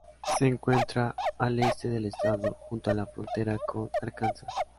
Se encuentra al este del estado, junto a la frontera con Arkansas.